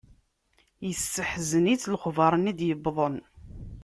Yesseḥzen-itt lexber-nni d-yewwḍen.